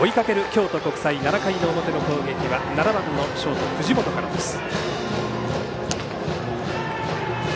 京都国際７回表の攻撃は７番のショート、藤本からです。